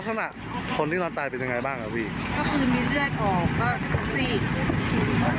ลักษณะคนที่ตอนตายเป็นยังไงบ้างครับพี่ก็คือมีเลือดออกก็ซีด